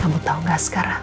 kamu tahu tidak sekarang